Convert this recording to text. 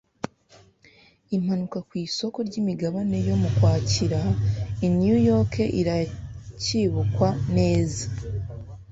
Impanuka ku isoko ryimigabane yo mu Kwakira i New York iracyibukwa neza.